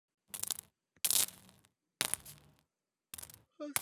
Sestoupila družstva Spartak Tesla Žižkov a Slovan Orbis Praha.